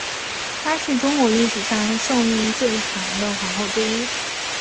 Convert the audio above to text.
她是中国历史上寿命最长的皇后之一。